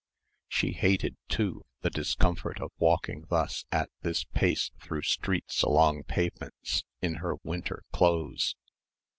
She hated, too, the discomfort of walking thus at this pace through streets along pavements in her winter clothes.